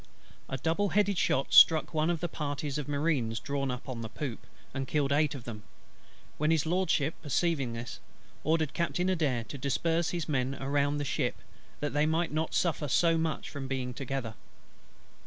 A double headed shot struck one of the parties of Marines drawn up on the poop, and killed eight of them; when His LORDSHIP, perceiving this, ordered Captain ADAIR, to disperse his men round the ship, that they might not suffer so much from being together.